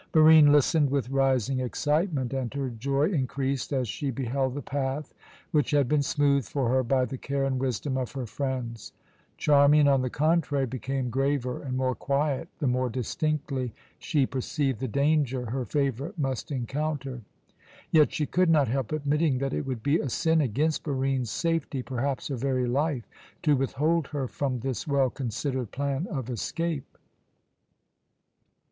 Barine listened with rising excitement, and her joy increased as she beheld the path which had been smoothed for her by the care and wisdom of her friends. Charmian, on the contrary, became graver and more quiet the more distinctly she perceived the danger her favourite must encounter. Yet she could not help admitting that it would be a sin against Barine's safety, perhaps her very life, to withhold her from this well considered plan of escape.